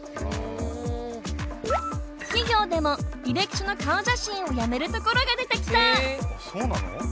企業でも履歴書の顔写真をやめるところが出てきた。